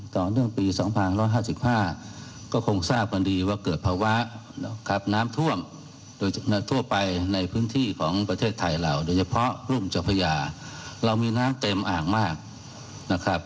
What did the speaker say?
ตอนปี๒๕๕๕น้ำต้นท่วมสามารถเกิดประวะสามารถถ่วมไปในพื้นที่ของประเทศไทยเหล่าโดยเฉพาะรุ่มจักรพยาเรามีน้ำเต็มอ่างมาก